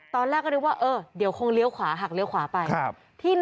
ตอนแรกก็นึกว่าเออเดี๋ยวคงเลี้ยวขวาหักเลี้ยวขวาไป